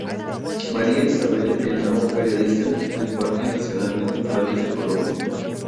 María Isabel Henao, periodista de Parques Nacionales Naturales de Colombia.